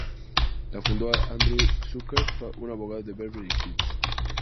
La fundó Andrew Zucker, un abogado de Beverly Hills.